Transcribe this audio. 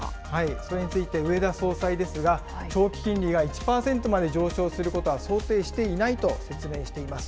それについて植田総裁ですが、長期金利が１％まで上昇することは想定していないと説明しています。